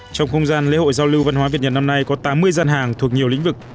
trong không gian lễ hội giao lưu văn hóa việt nhật năm nay có tám mươi gian hàng thuộc nhiều lĩnh vực